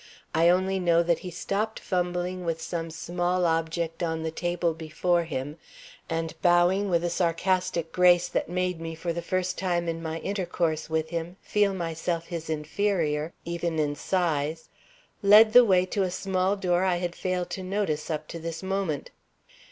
I only know that he stopped fumbling with some small object on the table before him, and, bowing with a sarcastic grace that made me for the first time in my intercourse with him feel myself his inferior, even in size, led the way to a small door I had failed to notice up to this moment.